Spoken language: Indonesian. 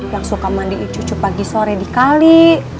langsung ke mandi cucu pagi sore dikali